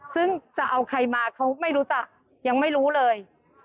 ซึ่งจะเอาใครมาเขาไม่รู้จักยังไม่รู้เลย